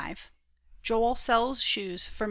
XXV JOEL SELLS SHOES FOR MR.